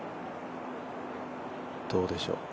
どうでしょう。